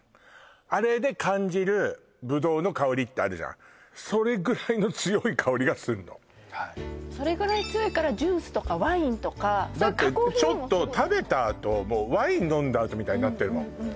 あれで感じるぶどうの香りってあるじゃんがするのはいそれぐらい強いからジュースとかワインとかそういう加工品にもすごい使うだってちょっと食べたあとワイン飲んだあとみたいになってるもん